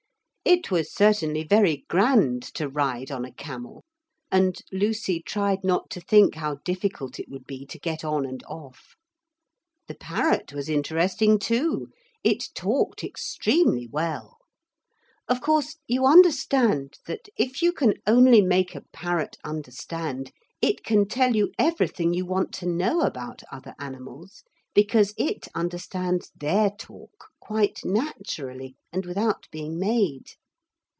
It was certainly very grand to ride on a camel, and Lucy tried not to think how difficult it would be to get on and off. The parrot was interesting too. It talked extremely well. Of course you understand that, if you can only make a parrot understand, it can tell you everything you want to know about other animals; because it understands their talk quite naturally and without being made.